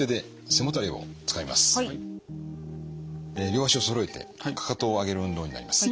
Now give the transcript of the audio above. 両脚をそろえてかかとを上げる運動になります。